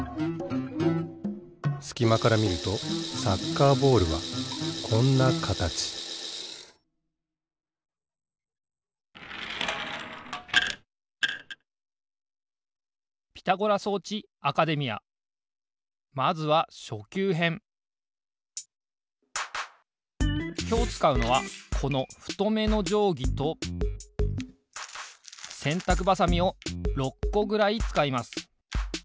すきまからみるとサッカーボールはこんなかたちまずはきょうつかうのはこのふとめのじょうぎとせんたくばさみを６こぐらいつかいます。